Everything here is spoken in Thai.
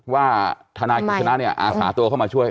ว่าทนายกิจกรรมชนะเนี่ยอ่าหาตัวเข้ามาช่วย